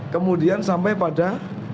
kemudian sampai pada